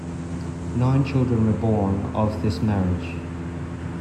Nine children were born of this marriage.